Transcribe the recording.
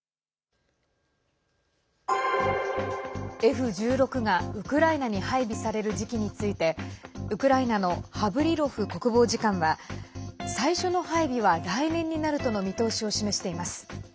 Ｆ１６がウクライナに配備される時期についてウクライナのハブリロフ国防次官は最初の配備は来年になるとの見通しを示しています。